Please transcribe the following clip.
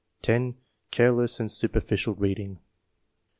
(10) "Careless and superficial reading."